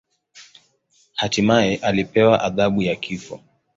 Hatimaye alipewa adhabu ya kifo.